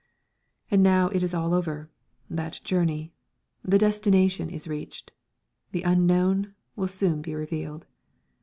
And now it is all over, that journey. The destination is reached. The Unknown will soon be revealed.